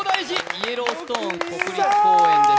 イエローストーン国立公園でした。